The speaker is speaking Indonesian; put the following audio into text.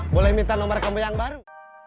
boleh minta nomor kamu yang baru